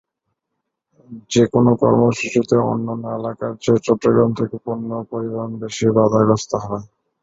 যেকোনো কর্মসূচিতে অন্যান্য এলাকার চেয়ে চট্টগ্রাম থেকে পণ্য পরিবহন বেশি বাধাগ্রস্ত হয়।